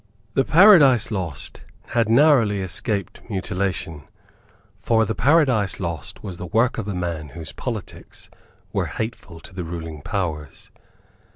The Paradise Lost had narrowly escaped mutilation; for the Paradise Lost was the work of a man whose politics were hateful to the ruling powers.